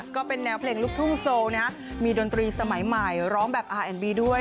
ก็เป็นแนวเพลงลูกทุ่งโซลมีดนตรีสมัยใหม่ร้องแบบอาร์แอนบีด้วย